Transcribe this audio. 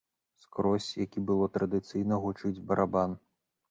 Скрозь, як і было традыцыйна, гучыць барабан.